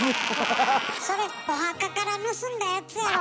それお墓から盗んだやつやろ！